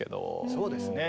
そうですね。